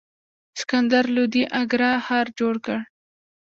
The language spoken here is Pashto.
سکندر لودي اګره ښار جوړ کړ.